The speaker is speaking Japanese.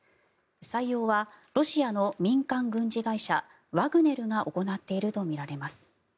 採用はロシアの民間軍事会社ワグネルが行っているとみられます。